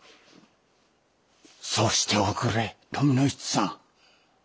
そうしておくれ富の市さん。